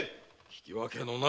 ききわけのない。